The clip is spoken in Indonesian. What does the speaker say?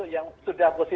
yang sudah positif